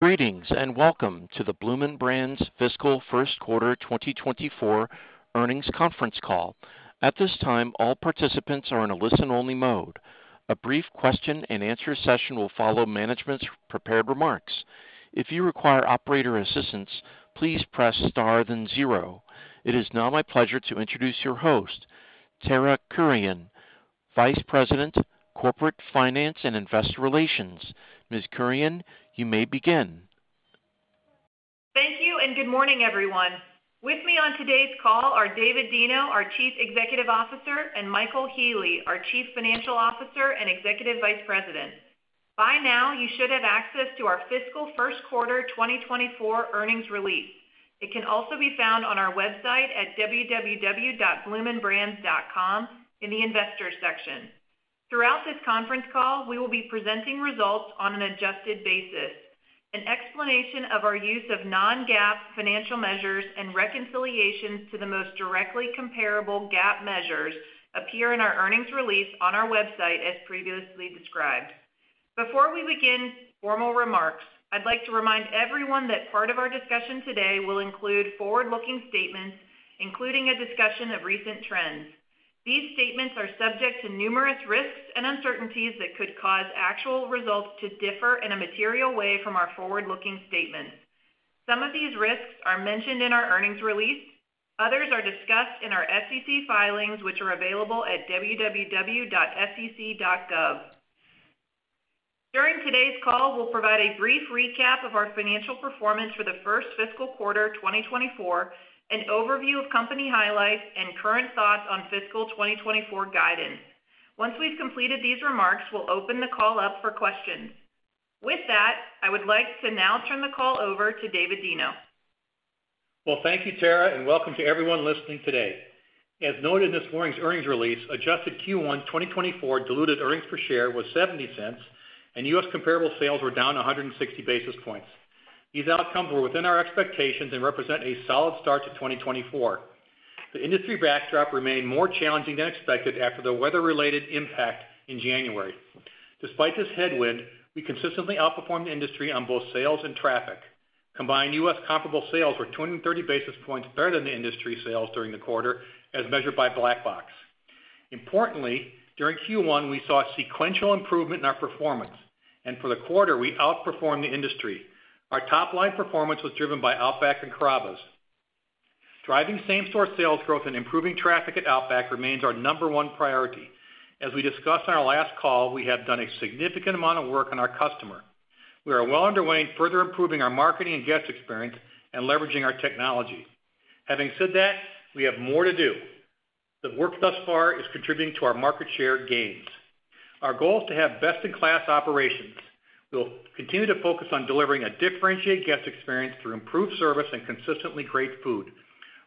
Greetings, and welcome to the Bloomin' Brands Fiscal First Quarter 2024 Earnings Conference Call. At this time, all participants are in a listen-only mode. A brief question-and-answer session will follow management's prepared remarks. If you require operator assistance, please press Star then zero. It is now my pleasure to introduce your host, Tara Kurian, Vice President, Corporate Finance and Investor Relations. Ms. Kurian, you may begin. Thank you, and good morning, everyone. With me on today's call are David Deno, our Chief Executive Officer, and Michael Healy, our Chief Financial Officer and Executive Vice President. By now, you should have access to our fiscal first quarter 2024 earnings release. It can also be found on our website at www.bloominbrands.com in the Investors section. Throughout this conference call, we will be presenting results on an adjusted basis. An explanation of our use of non-GAAP financial measures and reconciliations to the most directly comparable GAAP measures appear in our earnings release on our website, as previously described. Before we begin formal remarks, I'd like to remind everyone that part of our discussion today will include forward-looking statements, including a discussion of recent trends. These statements are subject to numerous risks and uncertainties that could cause actual results to differ in a material way from our forward-looking statements. Some of these risks are mentioned in our earnings release. Others are discussed in our SEC filings, which are available at www.sec.gov. During today's call, we'll provide a brief recap of our financial performance for the first fiscal quarter 2024, an overview of company highlights, and current thoughts on fiscal 2024 guidance. Once we've completed these remarks, we'll open the call up for questions. With that, I would like to now turn the call over to David Deno. Well, thank you, Tara, and welcome to everyone listening today. As noted in this morning's earnings release, adjusted Q1 2024 diluted earnings per share was $0.70, and US comparable sales were down 160 basis points. These outcomes were within our expectations and represent a solid start to 2024. The industry backdrop remained more challenging than expected after the weather-related impact in January. Despite this headwind, we consistently outperformed the industry on both sales and traffic. Combined US comparable sales were 230 basis points better than the industry sales during the quarter, as measured by Black Box. Importantly, during Q1, we saw a sequential improvement in our performance, and for the quarter, we outperformed the industry. Our top-line performance was driven by Outback and Carrabba's. Driving same-store sales growth and improving traffic at Outback remains our number one priority. As we discussed on our last call, we have done a significant amount of work on our customer. We are well underway in further improving our marketing and guest experience and leveraging our technology. Having said that, we have more to do. The work thus far is contributing to our market share gains. Our goal is to have best-in-class operations. We'll continue to focus on delivering a differentiated guest experience through improved service and consistently great food.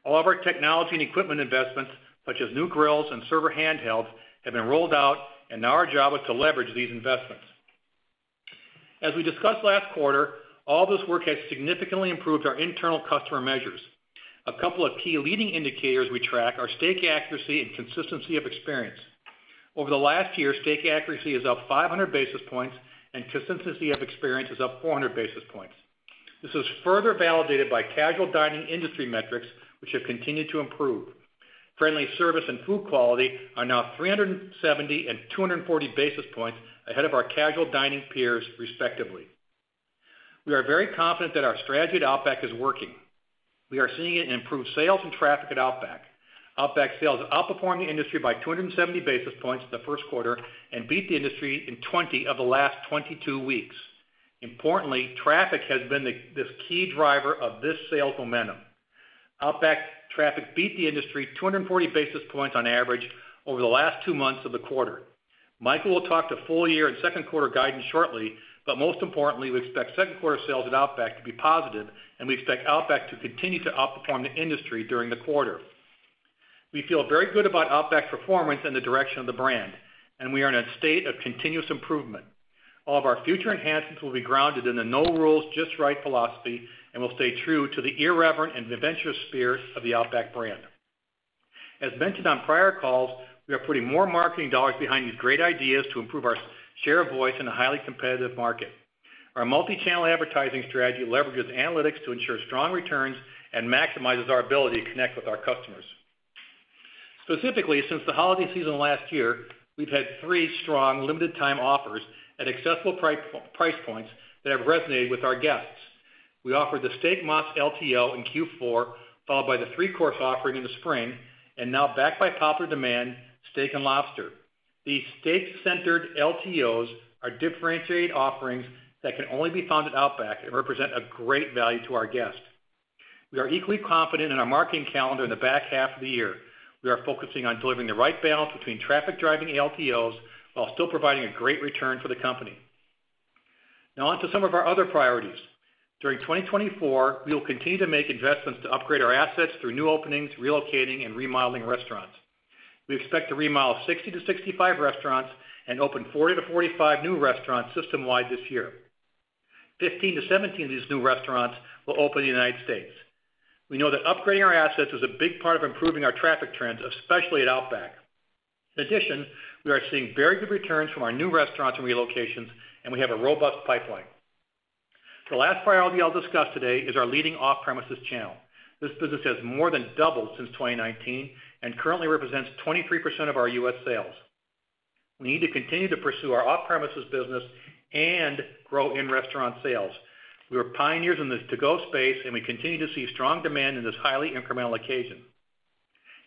All of our technology and equipment investments, such as new grills and server handhelds, have been rolled out, and now our job is to leverage these investments. As we discussed last quarter, all this work has significantly improved our internal customer measures. A couple of key leading indicators we track are steak accuracy and consistency of experience. Over the last year, steak accuracy is up 500 basis points, and consistency of experience is up 400 basis points. This is further validated by casual dining industry metrics, which have continued to improve. Friendly service and food quality are now 370 and 240 basis points ahead of our casual dining peers, respectively. We are very confident that our strategy at Outback is working. We are seeing it improve sales and traffic at Outback. Outback sales outperformed the industry by 270 basis points in the first quarter and beat the industry in 20 of the last 22 weeks. Importantly, traffic has been this key driver of this sales momentum. Outback traffic beat the industry 240 basis points on average over the last two months of the quarter. Michael will talk to full-year and second quarter guidance shortly, but most importantly, we expect second quarter sales at Outback to be positive, and we expect Outback to continue to outperform the industry during the quarter. We feel very good about Outback's performance and the direction of the brand, and we are in a state of continuous improvement. All of our future enhancements will be grounded in the No Rules, Just Right philosophy, and will stay true to the irreverent and adventurous spirit of the Outback brand. As mentioned on prior calls, we are putting more marketing dollars behind these great ideas to improve our share of voice in a highly competitive market. Our multi-channel advertising strategy leverages analytics to ensure strong returns and maximizes our ability to connect with our customers. Specifically, since the holiday season last year, we've had three strong limited time offers at accessible price, price points that have resonated with our guests. We offered the Steakmas LTO in Q4, followed by the three-course offering in the spring, and now, back by popular demand, Steak and Lobster. These steak-centered LTOs are differentiated offerings that can only be found at Outback and represent a great value to our guests. We are equally confident in our marketing calendar in the back half of the year. We are focusing on delivering the right balance between traffic-driving LTOs while still providing a great return for the company. Now onto some of our other priorities. During 2024, we will continue to make investments to upgrade our assets through new openings, relocating, and remodeling restaurants. We expect to remodel 60 to 65 restaurants and open 40 to 45 new restaurants system-wide this year. 15 to 17 of these new restaurants will open in the United States. We know that upgrading our assets is a big part of improving our traffic trends, especially at Outback. In addition, we are seeing very good returns from our new restaurants and relocations, and we have a robust pipeline. The last priority I'll discuss today is our leading off-premises channel. This business has more than doubled since 2019, and currently represents 23% of our U.S. sales. We need to continue to pursue our off-premises business and grow in-restaurant sales. We are pioneers in this to-go space, and we continue to see strong demand in this highly incremental occasion.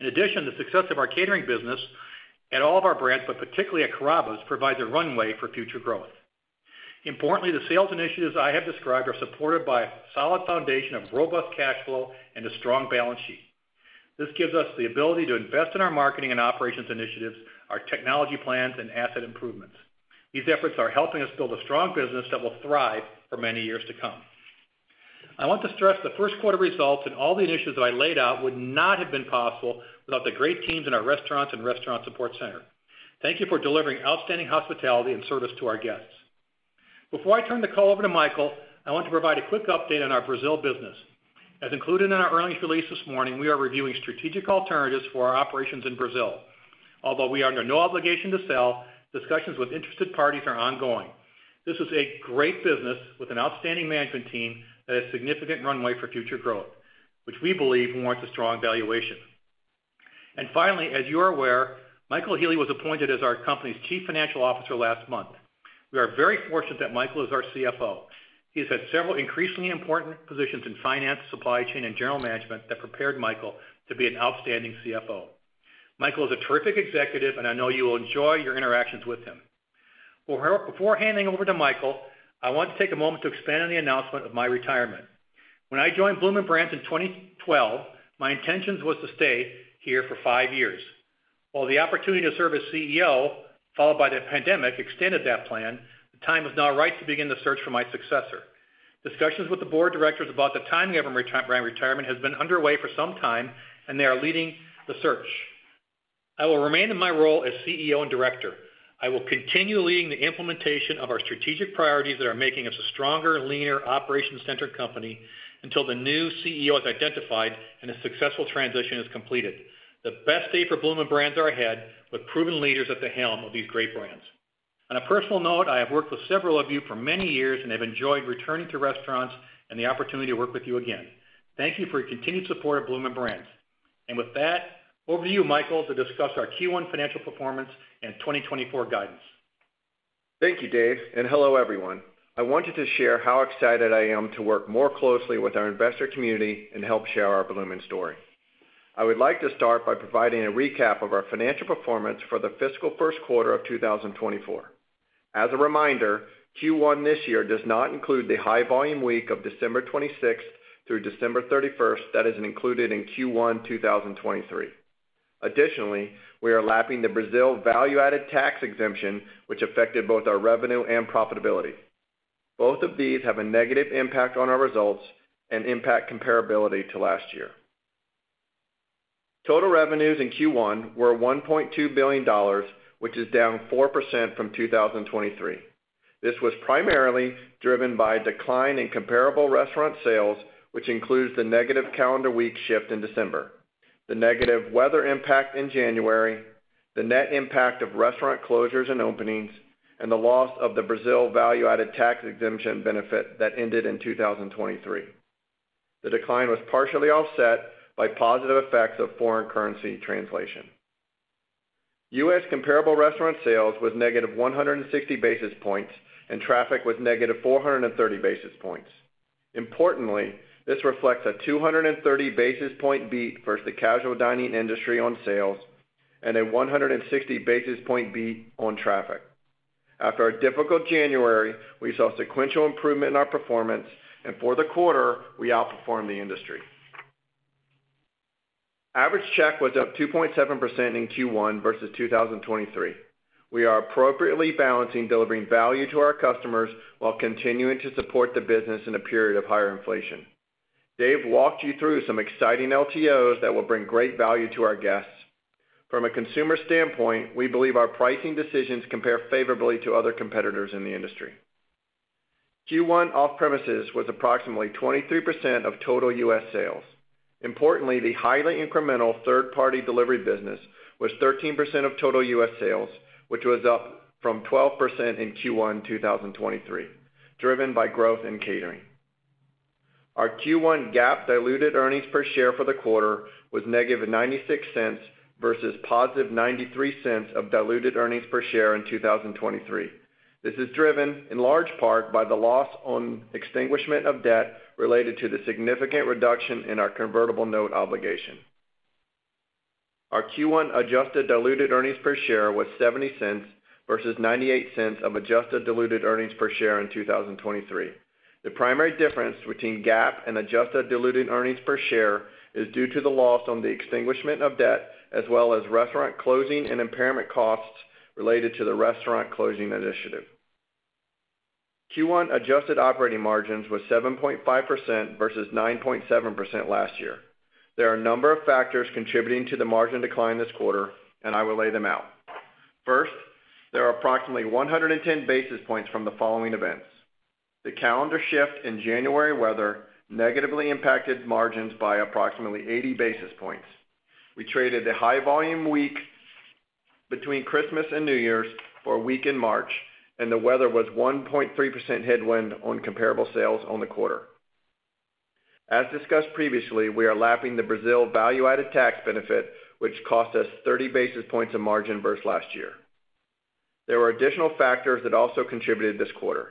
In addition, the success of our catering business at all of our brands, but particularly at Carrabba's, provides a runway for future growth. Importantly, the sales initiatives I have described are supported by a solid foundation of robust cash flow and a strong balance sheet. This gives us the ability to invest in our marketing and operations initiatives, our technology plans, and asset improvements. These efforts are helping us build a strong business that will thrive for many years to come. I want to stress the first quarter results and all the initiatives that I laid out would not have been possible without the great teams in our restaurants and restaurant support center. Thank you for delivering outstanding hospitality and service to our guests. Before I turn the call over to Michael, I want to provide a quick update on our Brazil business. As included in our earnings release this morning, we are reviewing strategic alternatives for our operations in Brazil. Although we are under no obligation to sell, discussions with interested parties are ongoing. This is a great business with an outstanding management team and a significant runway for future growth, which we believe warrants a strong valuation. And finally, as you are aware, Michael Healy was appointed as our company's Chief Financial Officer last month. We are very fortunate that Michael is our CFO. He's had several increasingly important positions in finance, supply chain, and general management that prepared Michael to be an outstanding CFO. Michael is a terrific executive, and I know you will enjoy your interactions with him. Well, before handing over to Michael, I want to take a moment to expand on the announcement of my retirement. When I joined Bloomin' Brands in 2012, my intentions was to stay here for five years. While the opportunity to serve as CEO, followed by the pandemic, extended that plan, the time is now right to begin the search for my successor. Discussions with the board of directors about the timing of my retirement has been underway for some time, and they are leading the search. I will remain in my role as CEO and director. I will continue leading the implementation of our strategic priorities that are making us a stronger, leaner, operations-centric company until the new CEO is identified and a successful transition is completed. The best day for Bloomin' Brands are ahead, with proven leaders at the helm of these great brands. On a personal note, I have worked with several of you for many years and have enjoyed returning to restaurants and the opportunity to work with you again. Thank you for your continued support of Bloomin' Brands. With that, over to you, Michael, to discuss our Q1 financial performance and 2024 guidance. Thank you, Dave, and hello, everyone. I wanted to share how excited I am to work more closely with our investor community and help share our Bloomin' story. I would like to start by providing a recap of our financial performance for the fiscal first quarter of 2024. As a reminder, Q1 this year does not include the high volume week of December 26th through December 31st that is included in Q1 2023. Additionally, we are lapping the Brazil value-added tax exemption, which affected both our revenue and profitability. Both of these have a negative impact on our results and impact comparability to last year. Total revenues in Q1 were $1.2 billion, which is down 4% from 2023. This was primarily driven by a decline in comparable restaurant sales, which includes the negative calendar week shift in December, the negative weather impact in January, the net impact of restaurant closures and openings, and the loss of the Brazil value-added tax exemption benefit that ended in 2023. The decline was partially offset by positive effects of foreign currency translation. U.S. comparable restaurant sales was negative 160 basis points, and traffic was negative 430 basis points. Importantly, this reflects a 230 basis point beat versus the casual dining industry on sales and a 160 basis point beat on traffic. After a difficult January, we saw sequential improvement in our performance, and for the quarter, we outperformed the industry. Average check was up 2.7% in Q1 versus 2023. We are appropriately balancing delivering value to our customers while continuing to support the business in a period of higher inflation. Dave walked you through some exciting LTOs that will bring great value to our guests. From a consumer standpoint, we believe our pricing decisions compare favorably to other competitors in the industry. Q1 off-premises was approximately 23% of total US sales. Importantly, the highly incremental third-party delivery business was 13% of total US sales, which was up from 12% in Q1 2023, driven by growth in catering. Our Q1 GAAP diluted earnings per share for the quarter was -$0.96 versus $0.93 of diluted earnings per share in 2023. This is driven in large part by the loss on extinguishment of debt related to the significant reduction in our convertible note obligation. Our Q1 adjusted diluted earnings per share was $0.70 versus $0.98 of adjusted diluted earnings per share in 2023. The primary difference between GAAP and adjusted diluted earnings per share is due to the loss on the extinguishment of debt, as well as restaurant closing and impairment costs related to the restaurant closing initiative. Q1 adjusted operating margins was 7.5% versus 9.7% last year. There are a number of factors contributing to the margin decline this quarter, and I will lay them out. First, there are approximately 110 basis points from the following events: The calendar shift in January weather negatively impacted margins by approximately 80 basis points. We traded a high-volume week between Christmas and New Year's for a week in March, and the weather was 1.3% headwind on comparable sales on the quarter. As discussed previously, we are lapping the Brazil value-added tax benefit, which cost us 30 basis points of margin versus last year. There were additional factors that also contributed this quarter.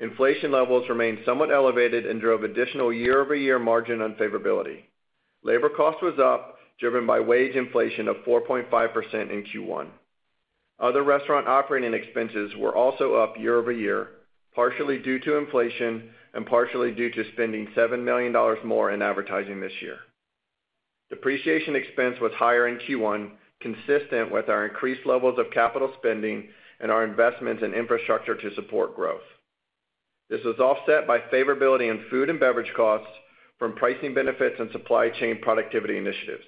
Inflation levels remained somewhat elevated and drove additional year-over-year margin unfavorability. Labor cost was up, driven by wage inflation of 4.5% in Q1. Other restaurant operating expenses were also up year-over-year, partially due to inflation and partially due to spending $7 million more in advertising this year. Depreciation expense was higher in Q1, consistent with our increased levels of capital spending and our investments in infrastructure to support growth. This was offset by favorability in food and beverage costs from pricing benefits and supply chain productivity initiatives.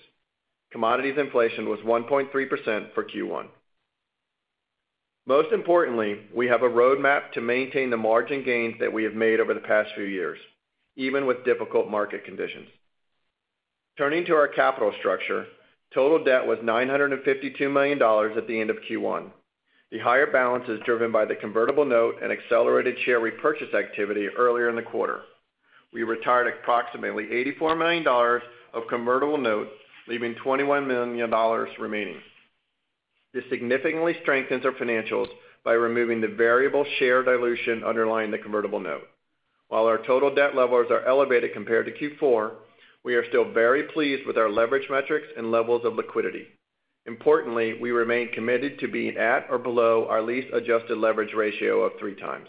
Commodities inflation was 1.3% for Q1. Most importantly, we have a roadmap to maintain the margin gains that we have made over the past few years, even with difficult market conditions. Turning to our capital structure, total debt was $952 million at the end of Q1. The higher balance is driven by the convertible note and accelerated share repurchase activity earlier in the quarter. We retired approximately $84 million of convertible notes, leaving $21 million remaining. This significantly strengthens our financials by removing the variable share dilution underlying the convertible note. While our total debt levels are elevated compared to Q4, we are still very pleased with our leverage metrics and levels of liquidity. Importantly, we remain committed to being at or below our lease adjusted leverage ratio of 3x.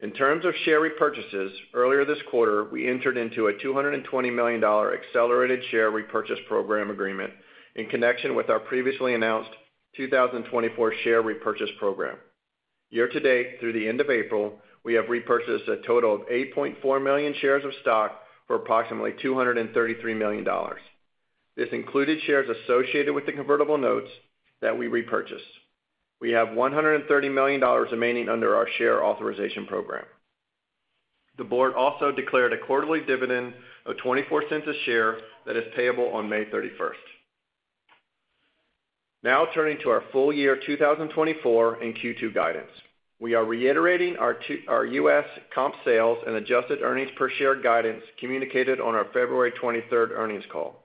In terms of share repurchases, earlier this quarter, we entered into a $220 million accelerated share repurchase program agreement in connection with our previously announced 2024 share repurchase program. Year to date, through the end of April, we have repurchased a total of 8.4 million shares of stock for approximately $233 million. This included shares associated with the convertible notes that we repurchased. We have $130 million remaining under our share authorization program. The board also declared a quarterly dividend of $0.24 per share that is payable on May 31. Now, turning to our full year 2024 and Q2 guidance. We are reiterating our U.S. comp sales and adjusted earnings per share guidance communicated on our February 23rd earnings call.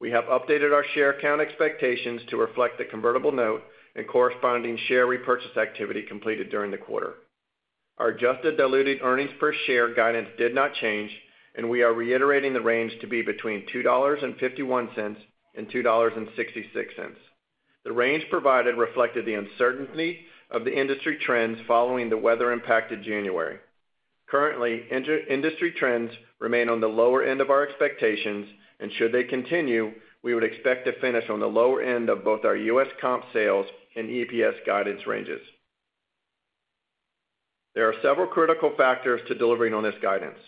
We have updated our share count expectations to reflect the convertible note and corresponding share repurchase activity completed during the quarter. Our adjusted diluted earnings per share guidance did not change, and we are reiterating the range to be between $2.51 and $2.66. The range provided reflected the uncertainty of the industry trends following the weather-impacted January. Currently, industry trends remain on the lower end of our expectations, and should they continue, we would expect to finish on the lower end of both our U.S. comp sales and EPS guidance ranges. There are several critical factors to delivering on this guidance.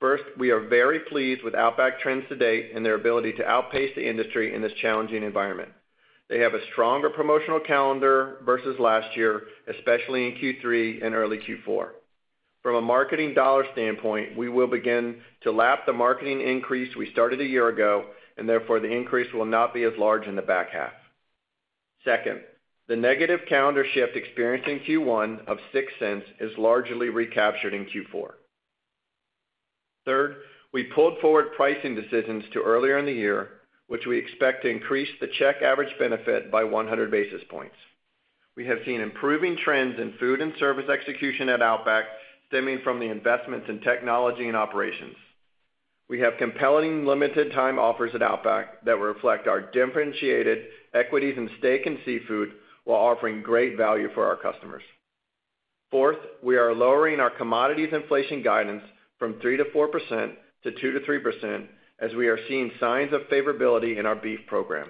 First, we are very pleased with Outback trends to date and their ability to outpace the industry in this challenging environment. They have a stronger promotional calendar versus last year, especially in Q3 and early Q4. From a marketing dollar standpoint, we will begin to lap the marketing increase we started a year ago, and therefore, the increase will not be as large in the back half. Second, the negative calendar shift experienced in Q1 of $0.06 is largely recaptured in Q4. Third, we pulled forward pricing decisions to earlier in the year, which we expect to increase the check average benefit by 100 basis points. We have seen improving trends in food and service execution at Outback, stemming from the investments in technology and operations. We have compelling limited time offers at Outback that reflect our differentiated equities in steak and seafood, while offering great value for our customers. Fourth, we are lowering our commodities inflation guidance from 3%-4% to 2%-3%, as we are seeing signs of favorability in our beef program.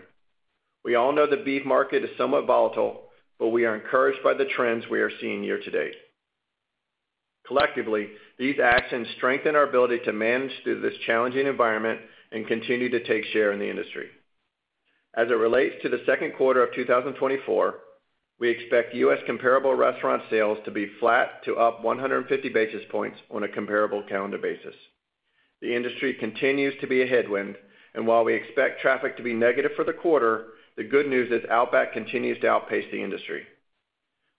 We all know the beef market is somewhat volatile, but we are encouraged by the trends we are seeing year to date. Collectively, these actions strengthen our ability to manage through this challenging environment and continue to take share in the industry. As it relates to the second quarter of 2024, we expect U.S. comparable restaurant sales to be flat to up 150 basis points on a comparable calendar basis. The industry continues to be a headwind, and while we expect traffic to be negative for the quarter, the good news is Outback continues to outpace the industry.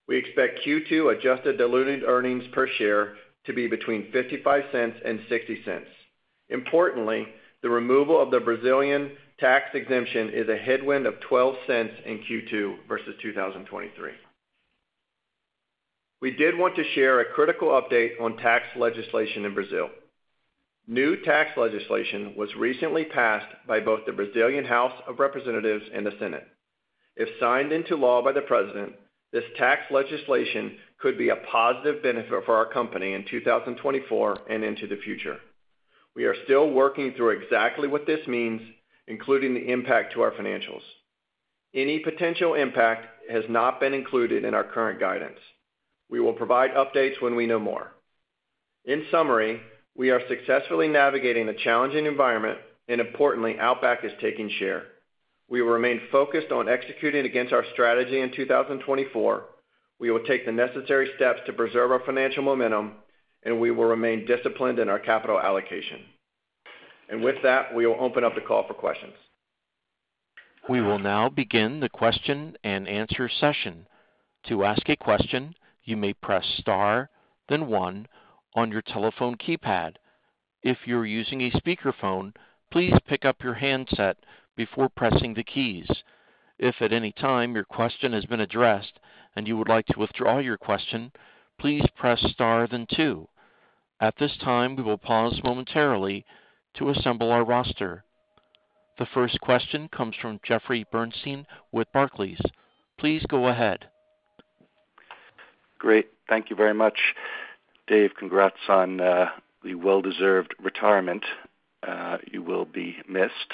We expect Q2 adjusted diluted earnings per share to be between $0.55 and $0.60. Importantly, the removal of the Brazilian tax exemption is a headwind of $0.12 in Q2 versus 2023. We did want to share a critical update on tax legislation in Brazil. New tax legislation was recently passed by both the Brazilian House of Representatives and the Senate. If signed into law by the President, this tax legislation could be a positive benefit for our company in 2024 and into the future. We are still working through exactly what this means, including the impact to our financials. Any potential impact has not been included in our current guidance. We will provide updates when we know more. In summary, we are successfully navigating the challenging environment, and importantly, Outback is taking share. We will remain focused on executing against our strategy in 2024. We will take the necessary steps to preserve our financial momentum, and we will remain disciplined in our capital allocation. With that, we will open up the call for questions. We will now begin the question and answer session. To ask a question, you may press Star, then One on your telephone keypad. If you're using a speakerphone, please pick up your handset before pressing the keys. If at any time your question has been addressed and you would like to withdraw your question, please press Star, then two. At this time, we will pause momentarily to assemble our roster. The first question comes from Jeffrey Bernstein with Barclays. Please go ahead. Great. Thank you very much. Dave, congrats on the well-deserved retirement. You will be missed.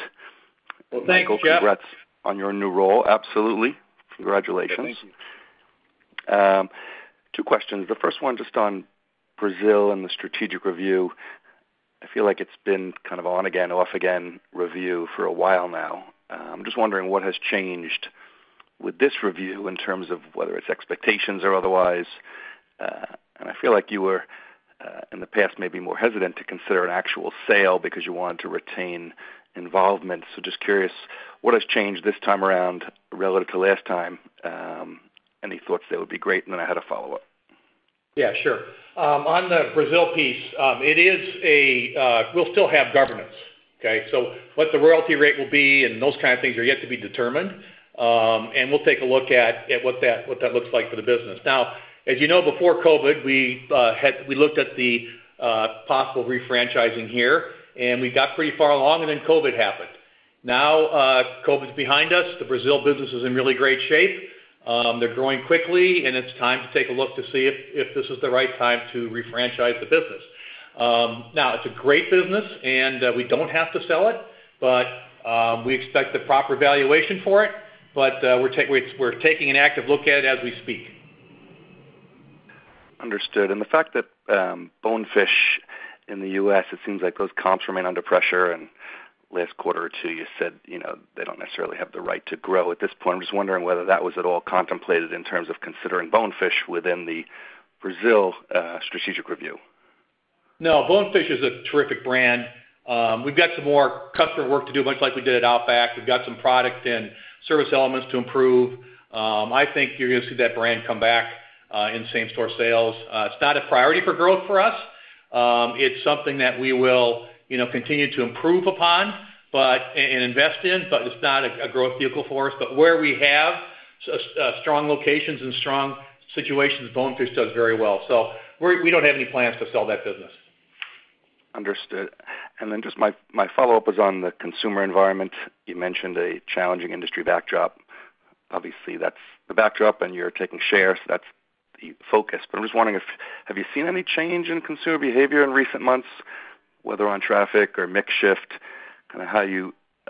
Well, thanks, Jeff. Congrats on your new role. Absolutely. Congratulations. Thank you. Two questions. The first one, just on Brazil and the strategic review. I feel like it's been kind of on again, off again review for a while now. I'm just wondering what has changed with this review in terms of whether it's expectations or otherwise. And I feel like you were, in the past, maybe more hesitant to consider an actual sale because you wanted to retain involvement. So just curious, what has changed this time around relative to last time? Any thoughts that would be great, and then I had a follow-up. Yeah, sure. On the Brazil piece, it is. We'll still have governance, okay? So what the royalty rate will be and those kind of things are yet to be determined. And we'll take a look at what that looks like for the business. Now, as you know, before COVID, we looked at the possible refranchising here, and we got pretty far along, and then COVID happened. Now, COVID's behind us. The Brazil business is in really great shape. They're growing quickly, and it's time to take a look to see if this is the right time to refranchise the business. Now, it's a great business, and we don't have to sell it, but we expect the proper valuation for it. But, we're taking an active look at it as we speak. Understood. And the fact that, Bonefish in the US, it seems like those comps remain under pressure, and last quarter or two, you said, you know, they don't necessarily have the right to grow at this point. I'm just wondering whether that was at all contemplated in terms of considering Bonefish within the Brazil, strategic review. No, Bonefish is a terrific brand. We've got some more customer work to do, much like we did at Outback. We've got some product and service elements to improve. I think you're gonna see that brand come back, in same store sales. It's not a priority for growth for us. It's something that we will, you know, continue to improve upon, but and invest in, but it's not a growth vehicle for us. But where we have strong locations and strong situations, Bonefish does very well, so we don't have any plans to sell that business. Understood. And then just my follow-up is on the consumer environment. You mentioned a challenging industry backdrop. Obviously, that's the backdrop, and you're taking share, so that's the focus. But I'm just wondering if, have you seen any change in consumer behavior in recent months, whether on traffic or mix shift?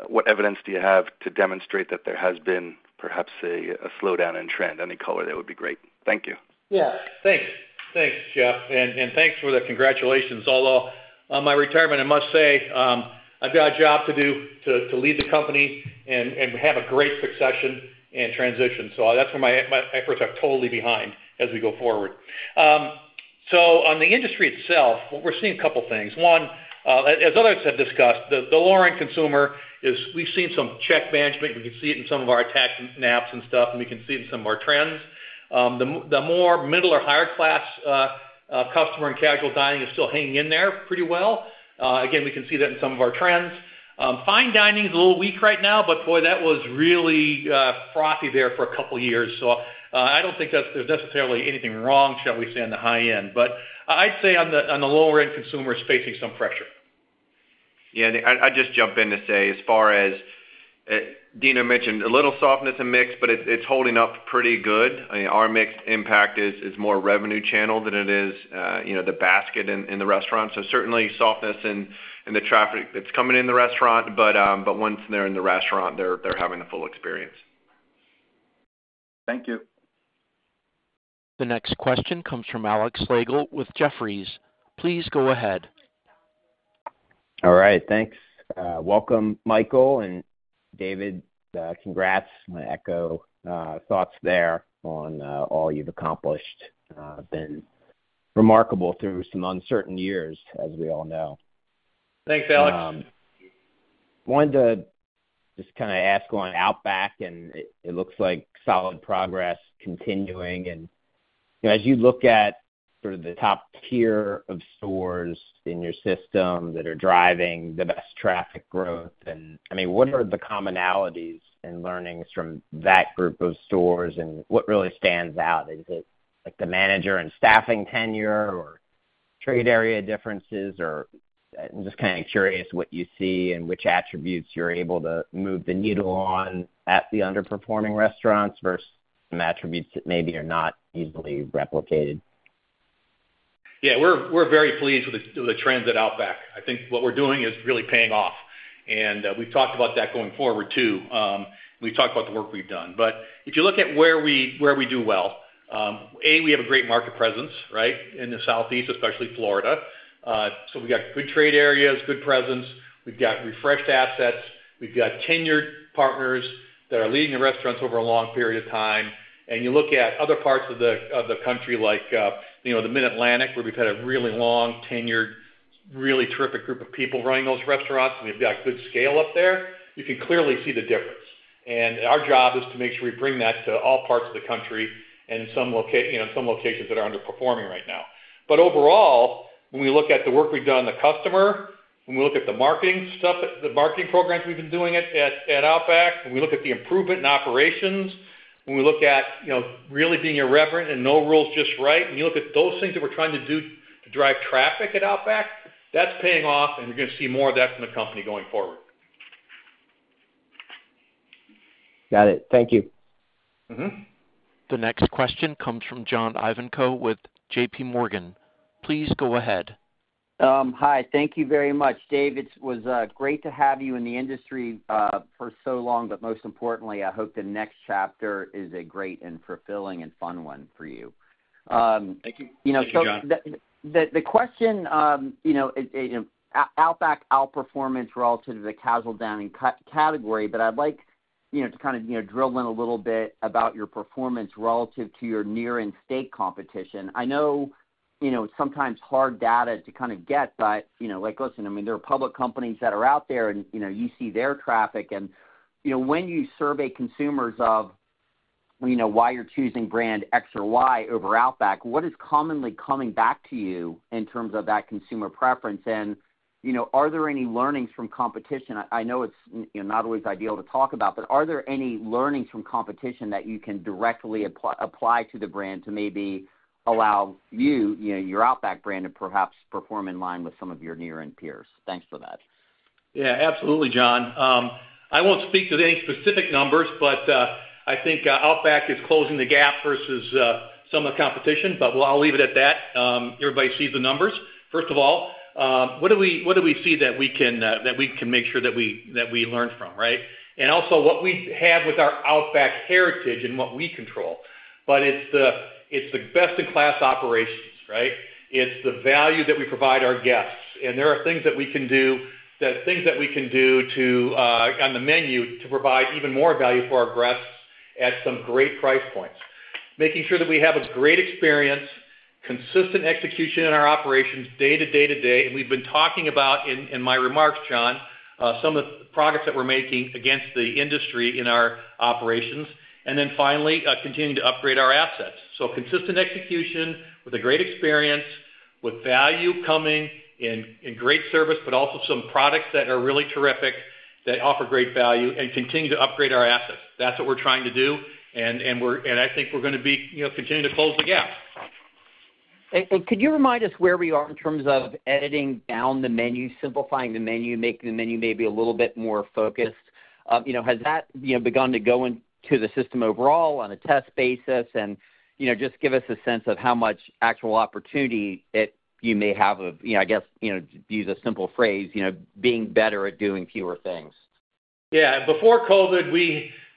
What evidence do you have to demonstrate that there has been perhaps a slowdown in trend? Any color, that would be great. Thank you. Yeah, thanks. Thanks, Jeff, and thanks for the congratulations. Although on my retirement, I must say, I've got a job to do to lead the company and have a great succession and transition. So that's where my efforts are totally behind as we go forward. So on the industry itself, we're seeing a couple things. One, as others have discussed, the lower-end consumer is. We've seen some check management. We can see it in some of our attach stats and stuff, and we can see it in some of our trends. The more middle or higher class customer in casual dining is still hanging in there pretty well. Again, we can see that in some of our trends. Fine dining is a little weak right now, but, boy, that was really frothy there for a couple years. So, I don't think that's there's necessarily anything wrong, shall we say, on the high end, but I'd say on the lower-end, consumers facing some pressure. Yeah, and I just jump in to say, as far as Deno mentioned, a little softness in mix, but it's holding up pretty good. I mean, our mix impact is more revenue channel than it is, you know, the basket in the restaurant. So certainly softness in the traffic that's coming in the restaurant, but once they're in the restaurant, they're having a full experience. Thank you. The next question comes from Alex Slagle with Jefferies. Please go ahead. All right, thanks. Welcome, Michael and David. Congrats. My echo thoughts there on all you've accomplished been remarkable through some uncertain years, as we all know. Thanks, Alex. Wanted to just kinda ask on Outback, and it looks like solid progress continuing. And, you know, as you look at sort of the top tier of stores in your system that are driving the best traffic growth, and I mean, what are the commonalities and learnings from that group of stores, and what really stands out? Is it, like, the manager and staffing tenure, or trade area differences? Or just kinda curious what you see and which attributes you're able to move the needle on at the underperforming restaurants versus some attributes that maybe are not easily replicated. Yeah, we're very pleased with the trends at Outback. I think what we're doing is really paying off, and we've talked about that going forward, too. We've talked about the work we've done. But if you look at where we do well, A, we have a great market presence, right? In the Southeast, especially Florida. So we got good trade areas, good presence. We've got refreshed assets. We've got tenured partners that are leading the restaurants over a long period of time. And you look at other parts of the country, like you know, the Mid-Atlantic, where we've had a really long tenured, really terrific group of people running those restaurants, and we've got good scale up there. You can clearly see the difference, and our job is to make sure we bring that to all parts of the country and some, you know, some locations that are underperforming right now. But overall, when we look at the work we've done on the customer, when we look at the marketing stuff, the marketing programs we've been doing at Outback, when we look at the improvement in operations, when we look at, you know, really being irreverent and no rules, just right. When you look at those things that we're trying to do to drive traffic at Outback, that's paying off, and you're gonna see more of that from the company going forward. Got it. Thank you. The next question comes from John Ivankoe with J.P. Morgan. Please go ahead. Hi. Thank you very much, Dave. It was great to have you in the industry for so long, but most importantly, I hope the next chapter is a great and fulfilling and fun one for you. Thank you. Thank you, John. You know, Outback outperformance relative to the casual dining category, but I'd like, you know, to kind of, you know, drill in a little bit about your performance relative to your nearest and state competition. I know, you know, sometimes hard data to kind of get, but, you know, like, listen, I mean, there are public companies that are out there, and, you know, you see their traffic. And, you know, when you survey consumers of, you know, why you're choosing brand X or Y over Outback, what is commonly coming back to you in terms of that consumer preference? And, you know, are there any learnings from competition? I know it's, you know, not always ideal to talk about, but are there any learnings from competition that you can directly apply to the brand to maybe allow you, you know, your Outback brand, to perhaps perform in line with some of your near-end peers? Thanks for that. Yeah, absolutely, John. I won't speak to any specific numbers, but I think Outback is closing the gap versus some of the competition, but well, I'll leave it at that. Everybody sees the numbers. First of all, what do we see that we can make sure that we learn from, right? And also, what we have with our Outback heritage and what we control. But it's the best-in-class operations, right? It's the value that we provide our guests, and there are things that we can do to on the menu to provide even more value for our guests at some great price points. Making sure that we have a great experience, consistent execution in our operations day to day. We've been talking about in my remarks, John, some of the progress that we're making against the industry in our operations. And then finally, continuing to upgrade our assets. So consistent execution with a great experience, with value coming and great service, but also some products that are really terrific, that offer great value and continue to upgrade our assets. That's what we're trying to do, and we're, and I think we're gonna be, you know, continuing to close the gap. Could you remind us where we are in terms of editing down the menu, simplifying the menu, making the menu maybe a little bit more focused? You know, has that, you know, begun to go into the system overall on a test basis? You know, just give us a sense of how much actual opportunity it—you may have of, you know, I guess, you know, to use a simple phrase, you know, being better at doing fewer things. Yeah. Before COVID,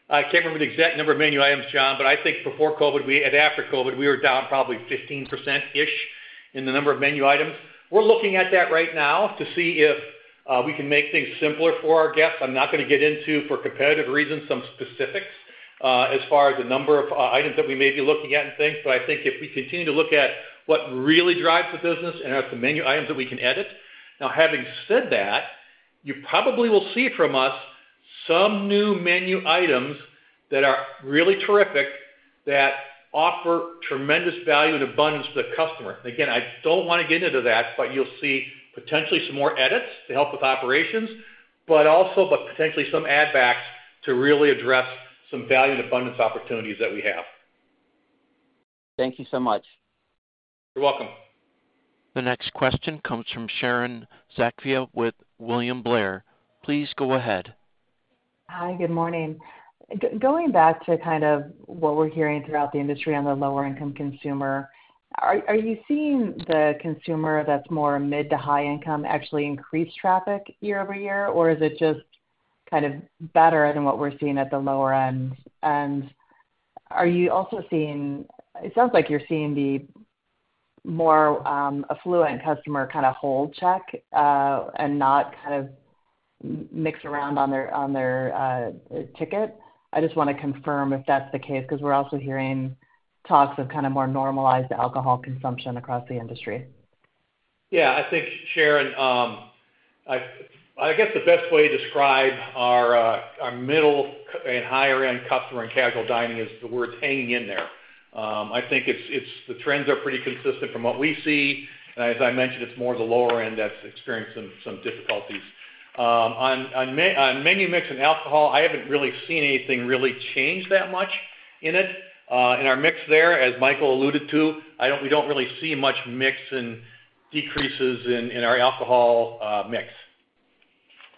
I can't remember the exact number of menu items, John, but I think before COVID, and after COVID, we were down probably 15%-ish in the number of menu items. We're looking at that right now to see if we can make things simpler for our guests. I'm not gonna get into, for competitive reasons, some specifics, as far as the number of items that we may be looking at and things, but I think if we continue to look at what really drives the business and are the menu items that we can edit. Now, having said that, you probably will see from us some new menu items that are really terrific, that offer tremendous value and abundance to the customer. Again, I don't want to get into that, but you'll see potentially some more edits to help with operations, but also potentially some add backs to really address some value and abundance opportunities that we have. Thank you so much. You're welcome. The next question comes from Sharon Zackfia with William Blair. Please go ahead. Hi, good morning. Going back to kind of what we're hearing throughout the industry on the lower-income consumer, are you seeing the consumer that's more mid to high income actually increase traffic year-over-year? Or is it just kind of better than what we're seeing at the lower end? And are you also seeing, it sounds like you're seeing the more affluent customer kind of hold check and not kind of mix around on their, on their ticket. I just want to confirm if that's the case, because we're also hearing talks of kind of more normalized alcohol consumption across the industry. Yeah, I think, Sharon, I guess the best way to describe our, our middle- and higher-end customer in casual dining is the word, hanging in there. I think it's the trends are pretty consistent from what we see. As I mentioned, it's more the lower end that's experiencing some difficulties. On menu mix and alcohol, I haven't really seen anything really change that much in it. In our mix there, as Michael alluded to, we don't really see much mix and decreases in, in our alcohol, mix.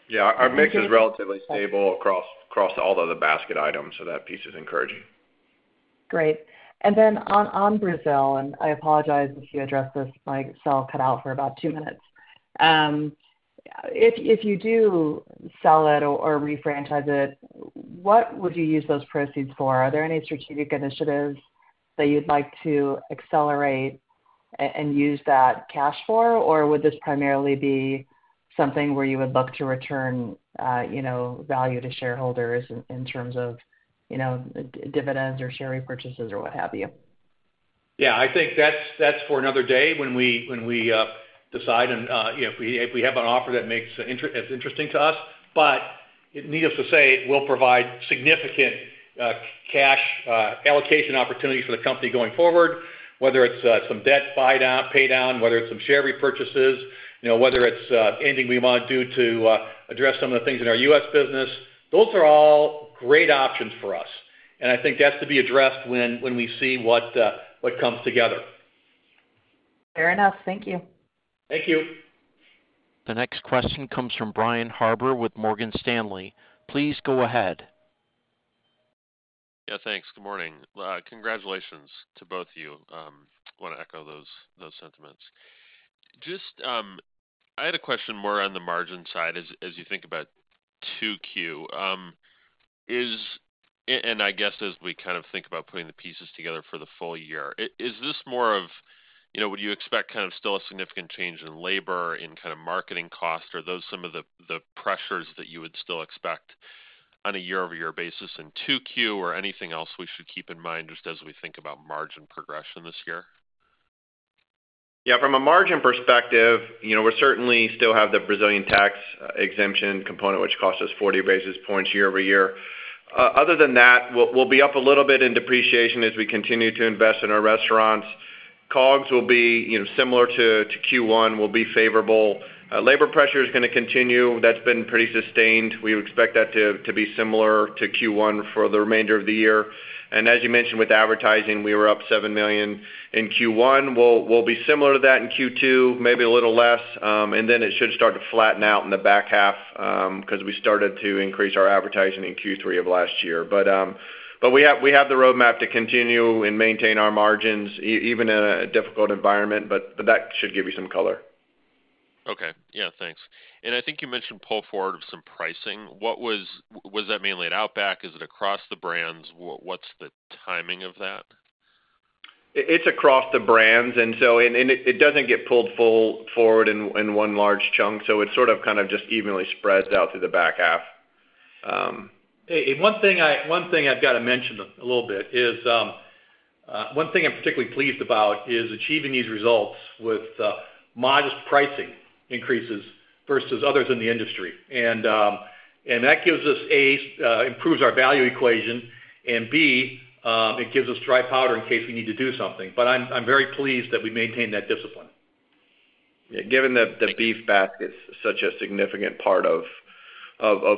Yeah, our mix is relatively stable across all of the basket items, so that piece is encouraging. Great. And then on Brazil, and I apologize if you addressed this. My cell cut out for about two minutes. If you do sell it or refranchise it, what would you use those proceeds for? Are there any strategic initiatives that you'd like to accelerate and use that cash for? Or would this primarily be something where you would look to return, you know, value to shareholders in terms of, you know, dividends or share repurchases or what have you? Yeah, I think that's for another day when we decide and, you know, if we have an offer that makes it interesting to us. But needless to say, it will provide significant cash allocation opportunity for the company going forward, whether it's some debt buy down, pay down, whether it's some share repurchases, you know, whether it's anything we want to do to address some of the things in our US business, those are all great options for us. And I think that's to be addressed when we see what comes together. Fair enough. Thank you. Thank you. The next question comes from Brian Harbour with Morgan Stanley. Please go ahead. Yeah, thanks. Good morning. Congratulations to both of you. Want to echo those, those sentiments. Just, I had a question more on the margin side as you think about 2Q. And I guess, as we kind of think about putting the pieces together for the full year, is this more of, you know, would you expect kind of still a significant change in labor, in kind of marketing costs? Are those some of the, the pressures that you would still expect on a year-over-year basis in 2Q, or anything else we should keep in mind just as we think about margin progression this year? Yeah, from a margin perspective, you know, we're certainly still have the Brazilian tax exemption component, which cost us 40 basis points year-over-year. Other than that, we'll be up a little bit in depreciation as we continue to invest in our restaurants. COGS will be, you know, similar to Q1, will be favorable. Labor pressure is going to continue. That's been pretty sustained. We would expect that to be similar to Q1 for the remainder of the year. And as you mentioned, with advertising, we were up $7 million in Q1. We'll be similar to that in Q2, maybe a little less, and then it should start to flatten out in the back half, because we started to increase our advertising in Q3 of last year. But, but we have, we have the roadmap to continue and maintain our margins even in a difficult environment, but, but that should give you some color. Okay. Yeah, thanks. And I think you mentioned pull forward of some pricing. What was that mainly at Outback? Is it across the brands? What's the timing of that? It's across the brands, and so it doesn't get pulled full forward in one large chunk, so it's sort of, kind of just evenly spreads out through the back half. One thing I've got to mention a little bit is one thing I'm particularly pleased about: achieving these results with modest pricing increases versus others in the industry. And that gives us A, improves our value equation, and B, it gives us dry powder in case we need to do something. But I'm very pleased that we maintained that discipline. Yeah, given that the beef basket is such a significant part of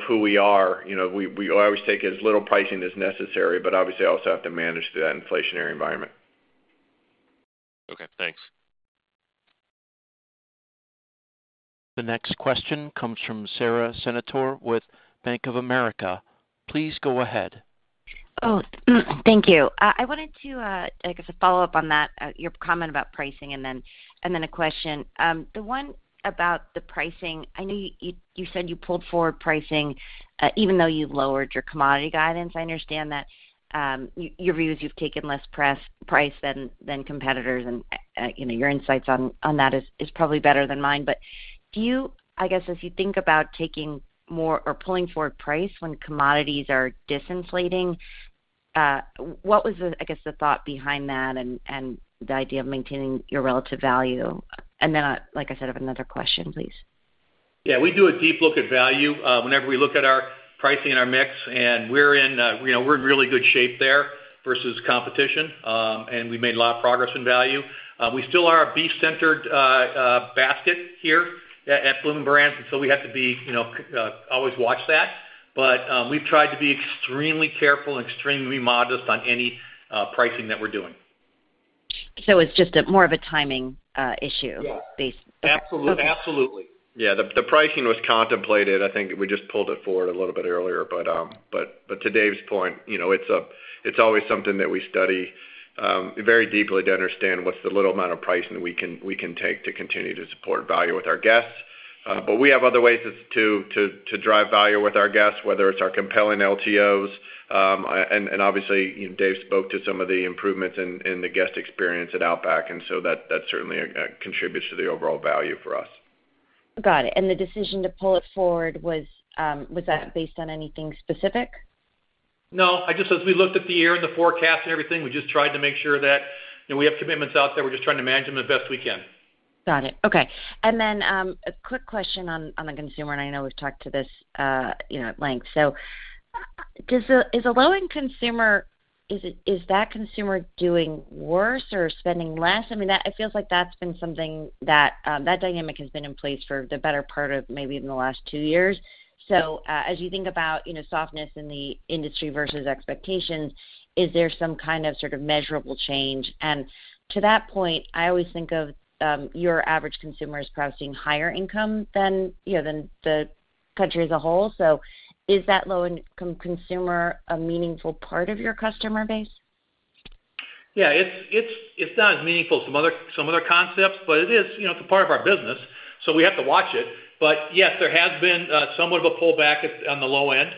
who we are, you know, we always take as little pricing as necessary, but obviously also have to manage through that inflationary environment. Okay, thanks. The next question comes from Sara Senatore with Bank of America. Please go ahead. Oh, thank you. I wanted to, I guess, follow up on that, your comment about pricing and then a question. The one about the pricing, I know you said you pulled forward pricing, even though you've lowered your commodity guidance. I understand that. Your view is you've taken less price than competitors, and, you know, your insights on that is probably better than mine. But do you... I guess, as you think about taking more or pulling forward price when commodities are disinflating, what was the, I guess, the thought behind that and the idea of maintaining your relative value? And then, like I said, I have another question, please. Yeah, we do a deep look at value, whenever we look at our pricing and our mix, and we're in, you know, we're in really good shape there versus competition, and we've made a lot of progress in value. We still are a beef-centered basket here at Bloomin' Brands, and so we have to be, you know, always watch that. But, we've tried to be extremely careful and extremely modest on any pricing that we're doing. It's just more of a timing issue based. Absolutely. Absolutely. Yeah, the pricing was contemplated. I think we just pulled it forward a little bit earlier. But to Dave's point, you know, it's always something that we study very deeply to understand what's the little amount of pricing that we can take to continue to support value with our guests. But we have other ways to drive value with our guests, whether it's our compelling LTOs. And obviously, Dave spoke to some of the improvements in the guest experience at Outback, and so that certainly contributes to the overall value for us. Got it. And the decision to pull it forward was that based on anything specific? No, I just. As we looked at the year and the forecast and everything, we just tried to make sure that, you know, we have commitments out there. We're just trying to manage them the best we can. Got it. Okay. And then, a quick question on, on the consumer, and I know we've talked to this, you know, at length. So, is the low-end consumer doing worse or spending less? I mean, it feels like that's been something that that dynamic has been in place for the better part of maybe in the last two years. So, as you think about, you know, softness in the industry versus expectations, is there some kind of sort of measurable change? And to that point, I always think of your average consumer as perhaps seeing higher income than, you know, than the country as a whole. So is that low-income consumer a meaningful part of your customer base? Yeah, it's not as meaningful as some other concepts, but it is, you know, it's a part of our business, so we have to watch it. But yes, there has been somewhat of a pullback on the low end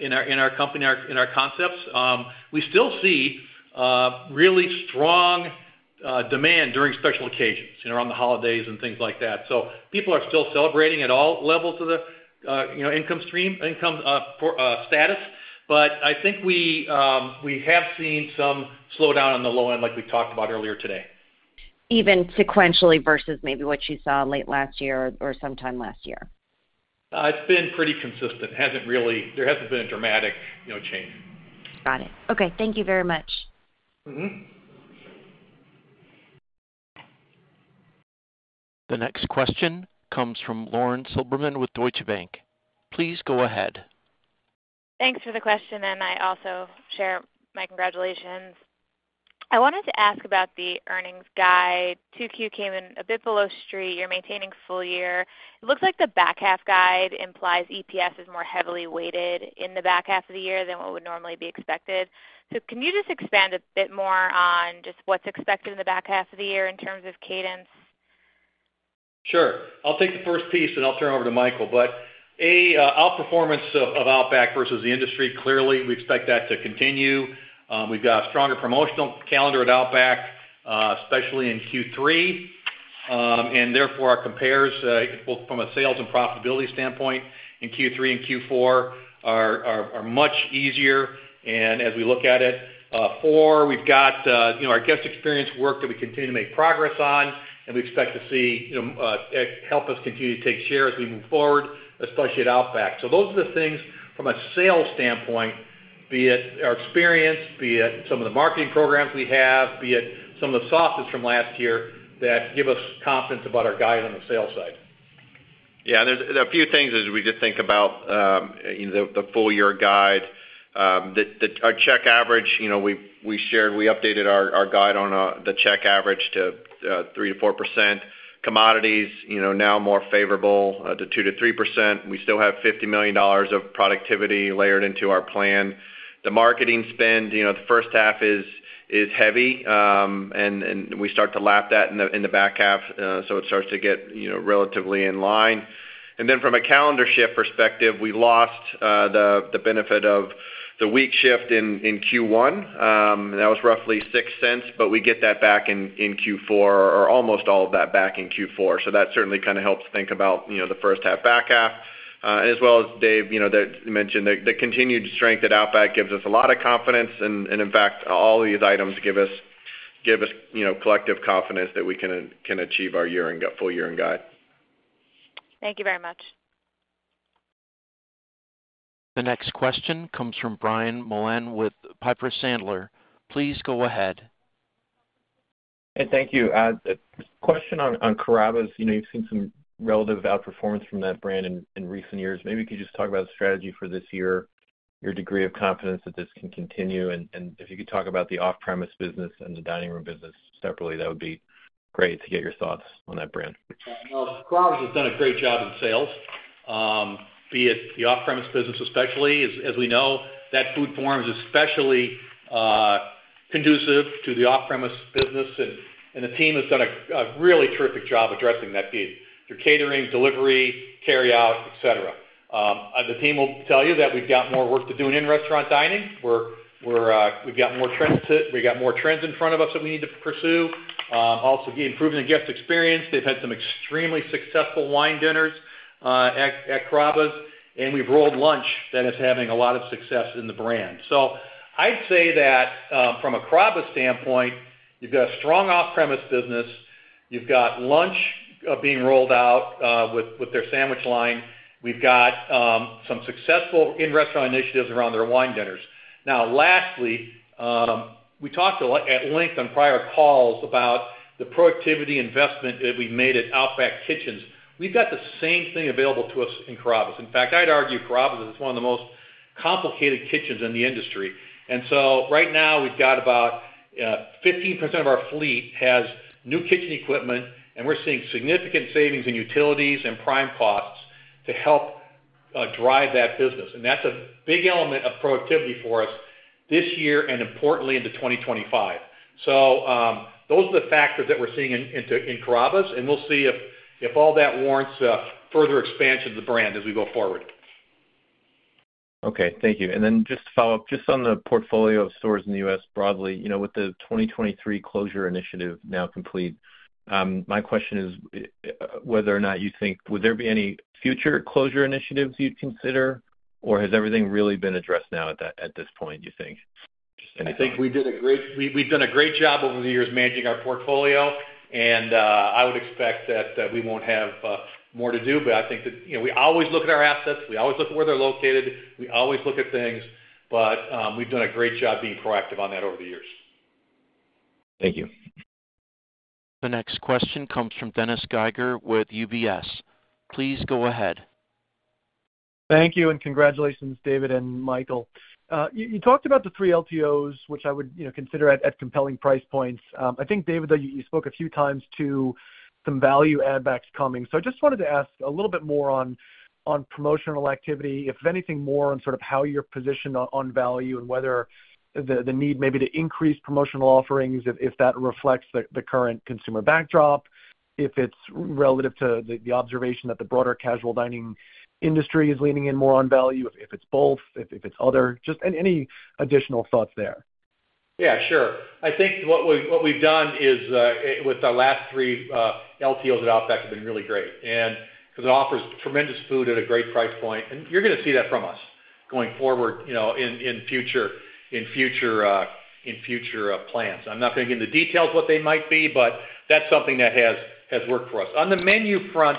in our concepts. We still see really strong demand during special occasions, you know, around the holidays and things like that. So people are still celebrating at all levels of the, you know, income stream—income stratas. But I think we have seen some slowdown on the low end, like we talked about earlier today. Even sequentially versus maybe what you saw late last year or sometime last year? It's been pretty consistent. There hasn't been a dramatic, you know, change. Got it. Okay, thank you very much. The next question comes from Lauren Silberman with Deutsche Bank. Please go ahead. Thanks for the question, and I also share my congratulations. I wanted to ask about the earnings guide. Q2 came in a bit below street. You're maintaining full year. It looks like the back half guide implies EPS is more heavily weighted in the back half of the year than what would normally be expected. So can you just expand a bit more on just what's expected in the back half of the year in terms of cadence? Sure. I'll take the first piece, and I'll turn it over to Michael. But outperformance of Outback versus the industry, clearly, we expect that to continue. We've got a stronger promotional calendar at Outback, especially in Q3. And therefore, our compares both from a sales and profitability standpoint in Q3 and Q4 are much easier and as we look at it. For, we've got, you know, our guest experience work that we continue to make progress on, and we expect to see, you know, it help us continue to take share as we move forward, especially at Outback. Those are the things from a sales standpoint, be it our experience, be it some of the marketing programs we have, be it some of the sauces from last year that give us confidence about our guide on the sales side. Yeah, there's a few things as we just think about, you know, the full year guide, our check average, you know, we shared we updated our guide on the check average to 3%-4%. Commodities, you know, now more favorable to 2%-3%. We still have $50 million of productivity layered into our plan. The marketing spend, you know, the first half is heavy, and we start to lap that in the back half, so it starts to get, you know, relatively in line. And then from a calendar shift perspective, we lost the benefit of the week shift in Q1. That was roughly $0.06, but we get that back in Q4, or almost all of that back in Q4. So that certainly kind of helps think about, you know, the first half, back half. As well as Dave, you know, that mentioned the continued strength at Outback gives us a lot of confidence. And in fact, all these items give us you know, collective confidence that we can achieve our full year-end guide. Thank you very much. The next question comes from Brian Mullan with Piper Sandler. Please go ahead. Thank you. Just question on Carrabba's. You know, you've seen some relative outperformance from that brand in recent years. Maybe you could just talk about the strategy for this year, your degree of confidence that this can continue, and if you could talk about the off-premises business and the dining room business separately, that would be great to get your thoughts on that brand. Well, Carrabba's has done a great job in sales, be it the off-premise business, especially. As we know, that food form is especially conducive to the off-premise business, and the team has done a really terrific job addressing that need through catering, delivery, carryout, et cetera. And the team will tell you that we've got more work to do in restaurant dining, where we're, we've got more trends in front of us that we need to pursue. Also, improving the guest experience. They've had some extremely successful wine dinners at Carrabba's, and we've rolled lunch that is having a lot of success in the brand. So I'd say that, from a Carrabba's standpoint, you've got a strong off-premise business, you've got lunch being rolled out with their sandwich line. We've got some successful in-restaurant initiatives around their wine dinners. Now lastly, we talked a lot at length on prior calls about the productivity investment that we made at Outback kitchens. We've got the same thing available to us in Carrabba's. In fact, I'd argue Carrabba's is one of the most complicated kitchens in the industry. And so right now, we've got about 15% of our fleet has new kitchen equipment, and we're seeing significant savings in utilities and prime costs to help drive that business. And that's a big element of productivity for us this year and importantly, into 2025. So those are the factors that we're seeing in Carrabba's, and we'll see if all that warrants further expansion of the brand as we go forward. Okay, thank you. And then just to follow up, just on the portfolio of stores in the U.S. broadly, you know, with the 2023 closure initiative now complete, my question is whether or not you think, would there be any future closure initiatives you'd consider, or has everything really been addressed now at that, at this point, do you think? I think we've done a great job over the years managing our portfolio, and I would expect that we won't have more to do. But I think that, you know, we always look at our assets. We always look at where they're located. We always look at things, but we've done a great job being proactive on that over the years. Thank you. The next question comes from Dennis Geiger with UBS. Please go ahead. Thank you, and congratulations, David and Michael. You talked about the three LTOs, which I would, you know, consider at compelling price points. I think, David, that you spoke a few times to some value add-backs coming. So I just wanted to ask a little bit more on promotional activity, if anything more, on sort of how you're positioned on value and whether the need maybe to increase promotional offerings if that reflects the current consumer backdrop, if it's relative to the observation that the broader casual dining industry is leaning in more on value, if it's both, if it's other, just any additional thoughts there? Yeah, sure. I think what we, what we've done is with our last three LTOs at Outback have been really great, and because it offers tremendous food at a great price point, and you're gonna see that from us going forward, you know, in future plans. I'm not going to get into details what they might be, but that's something that has worked for us. On the menu front,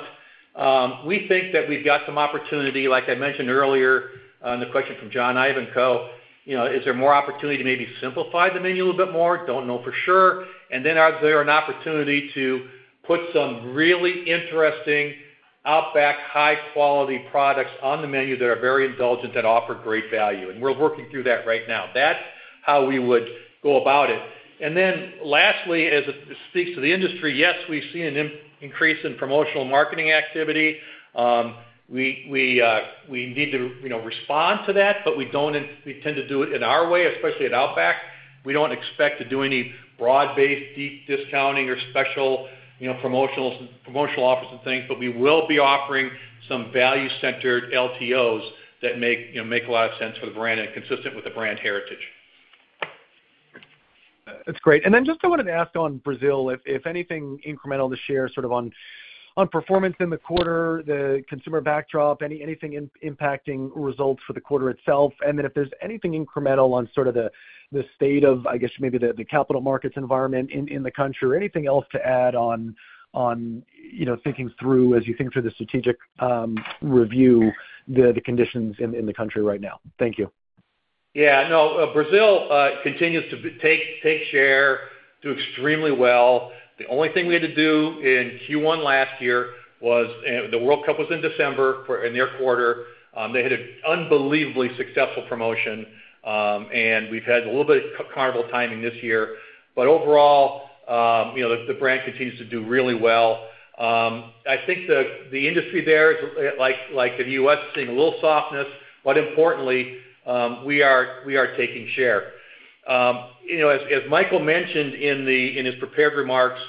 we think that we've got some opportunity, like I mentioned earlier, on the question from John Ivanko, you know, is there more opportunity to maybe simplify the menu a little bit more? Don't know for sure. And then are there an opportunity to put some really interesting Outback high-quality products on the menu that are very indulgent and offer great value? And we're working through that right now. That's how we would go about it. And then lastly, as it speaks to the industry, yes, we've seen an increase in promotional marketing activity. We need to, you know, respond to that, but we don't -- we tend to do it in our way, especially at Outback. We don't expect to do any broad-based, deep discounting or special, you know, promotional offers and things, but we will be offering some value-centered LTOs that make, you know, make a lot of sense for the brand and consistent with the brand heritage. That's great. And then just I wanted to ask on Brazil, if anything incremental to share sort of on performance in the quarter, the consumer backdrop, anything impacting results for the quarter itself. And then if there's anything incremental on sort of the state of, I guess, maybe the capital markets environment in the country, or anything else to add on, you know, thinking through as you think through the strategic review, the conditions in the country right now. Thank you. Yeah, no, Brazil continues to take share, do extremely well. The only thing we had to do in Q1 last year was... The World Cup was in December in their quarter. They had an unbelievably successful promotion, and we've had a little bit of Carnival timing this year. But overall, you know, the brand continues to do really well. I think the industry there is, like the US, seeing a little softness, but importantly, we are taking share. You know, as Michael mentioned in his prepared remarks,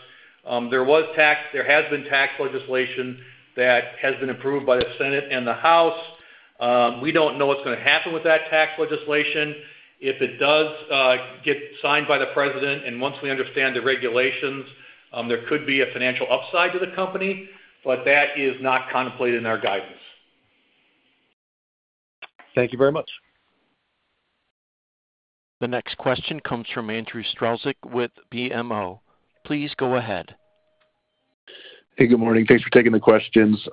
there has been tax legislation that has been approved by the Senate and the House. We don't know what's going to happen with that tax legislation. If it does get signed by the President, and once we understand the regulations, there could be a financial upside to the company, but that is not contemplated in our guidance. Thank you very much. The next question comes from Andrew Strelzik with BMO. Please go ahead. Hey, good morning. Thanks for taking the questions.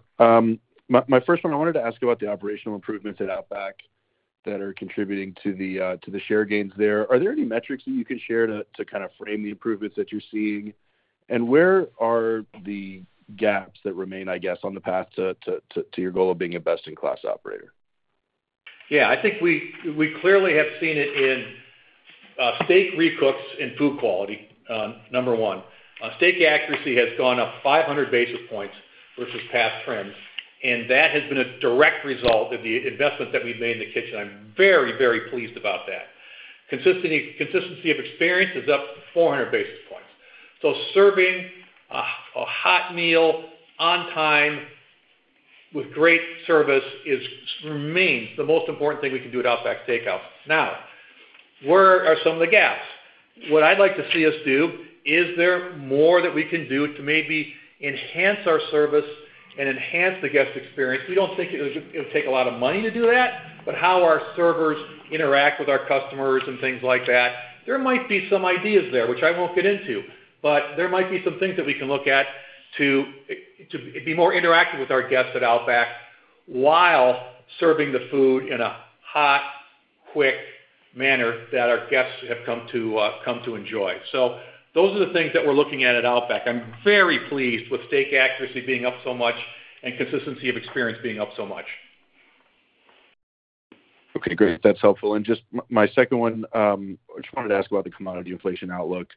My first one, I wanted to ask you about the operational improvements at Outback that are contributing to the share gains there. Are there any metrics that you can share to kind of frame the improvements that you're seeing? Where are the gaps that remain, I guess, on the path to your goal of being a best-in-class operator? Yeah, I think we clearly have seen it in steak recooks and food quality, number one. Steak accuracy has gone up 500 basis points versus past trends, and that has been a direct result of the investment that we've made in the kitchen. I'm very, very pleased about that. Consistency, consistency of experience is up 400 basis points. So serving a hot meal on time with great service remains the most important thing we can do at Outback Steakhouse. Now, where are some of the gaps? What I'd like to see us do, is there more that we can do to maybe enhance our service and enhance the guest experience? We don't think it would take a lot of money to do that, but how our servers interact with our customers and things like that. There might be some ideas there, which I won't get into, but there might be some things that we can look at to be more interactive with our guests at Outback while serving the food in a hot, quick manner that our guests have come to enjoy. So those are the things that we're looking at at Outback. I'm very pleased with steak accuracy being up so much and consistency of experience being up so much. Okay, great. That's helpful. And just my second one. I just wanted to ask about the commodity inflation outlook.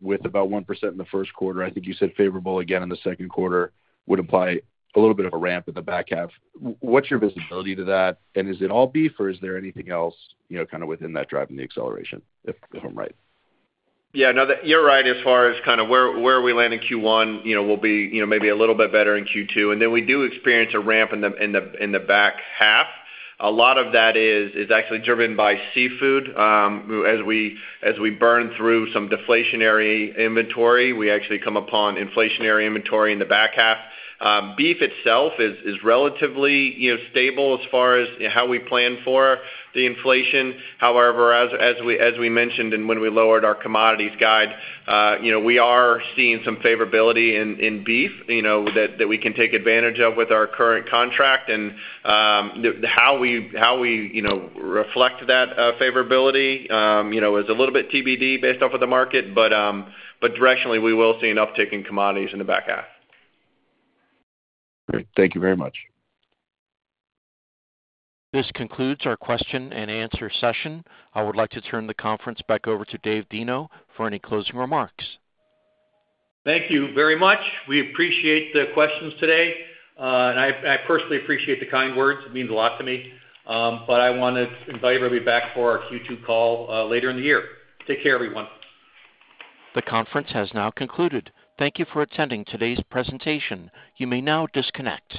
With about 1% in the first quarter, I think you said favorable again in the second quarter would imply a little bit of a ramp in the back half. What's your visibility to that? And is it all beef, or is there anything else, you know, kind of within that driving the acceleration, if I'm right? Yeah, no. You're right, as far as kind of where we land in Q1, you know, we'll be, you know, maybe a little bit better in Q2, and then we do experience a ramp in the back half. A lot of that is actually driven by seafood. As we burn through some deflationary inventory, we actually come upon inflationary inventory in the back half. Beef itself is relatively, you know, stable as far as, you know, how we plan for the inflation. However, as we mentioned, and when we lowered our commodities guide, you know, we are seeing some favorability in beef, you know, that we can take advantage of with our current contract. How we reflect that favorability, you know, is a little bit TBD based off of the market, but directionally, we will see an uptick in commodities in the back half. Great. Thank you very much. This concludes our question and answer session. I would like to turn the conference back over to David Deno for any closing remarks. Thank you very much. We appreciate the questions today, and I personally appreciate the kind words. It means a lot to me. But I want to invite everybody back for our Q2 call, later in the year. Take care, everyone. The conference has now concluded. Thank you for attending today's presentation. You may now disconnect.